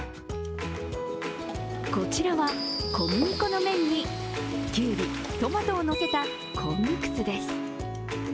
こちらは小麦粉の麺にきゅうり、トマトをのせたコングクスです。